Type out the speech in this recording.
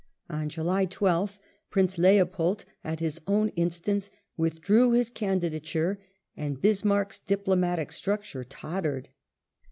On July 12th Prince Leopold, at his own instance, withdrew his candidature and Bismarck's diplomatic structure tottered.